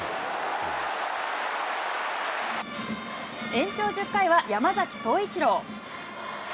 延長１０回は、山崎颯一郎。